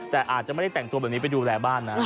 แต่อาจจะไม่ได้แต่งตัวแบบนี้ไปดูแลบ้านนะ